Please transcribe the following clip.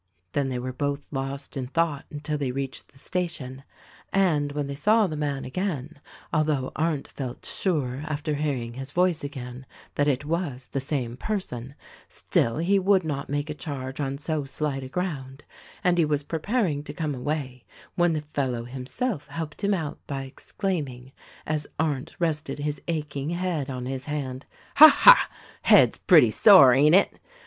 Then they were both lost in thought until they reached the station ; and, when they saw the man, although Arndt felt sure, after hearing his voice again, that it was the same person, still he would not make a charge on so slight a ground, and he was preparing to come away when the fellow himself helped him out by exclaiming — as Arndt rested his aching head on his hand — "Ha, ha ! Head's pretty sore, ain't it